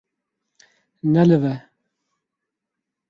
Nelive.